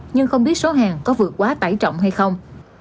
nhưng không biết số hàng có vượt quá tải trọng hay không